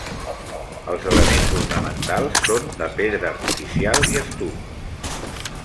Els elements ornamentals són de pedra artificial i estuc.